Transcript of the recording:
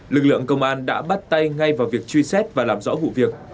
lực lượng công an đã bắt tay ngay vào việc truy xét và làm rõ vụ việc